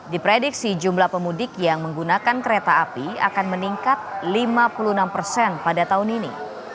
diprediksi jumlah pemudik yang menggunakan kereta api akan meningkat lima puluh enam persen pada tahun ini